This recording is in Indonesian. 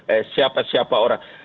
eh siapa siapa orang